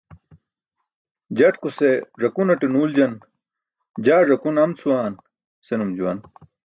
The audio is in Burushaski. Jatkuse ẓakunate nuuljaan "jaa ẓakun am cʰuwaan" senum juwan.